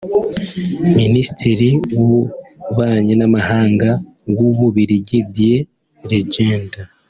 Minisitiri w’Ububanyi n’Amahanga w’u Bubiligi Didier Reynders